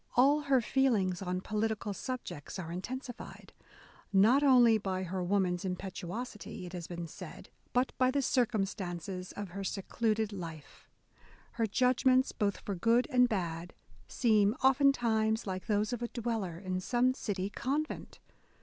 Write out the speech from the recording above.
A11 her feelings on political subjects are intensified, not only by her woman's impetuosity," it has been said, but by the circumstances of her secluded life." ...Her judgments, both for good and bad, seem oftentimes like those of a dweller in some city convent